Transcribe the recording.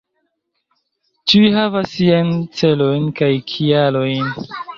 Ĉiuj havas siajn celojn, kaj kialojn.